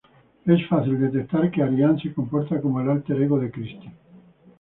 Es fácil detectar que Ariadne se comporta como el alter ego de Christie.